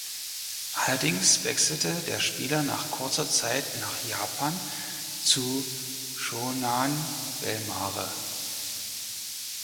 Allerdings wechselte der Spieler nach kurzer Zeit nach Japan zu Shonan Bellmare.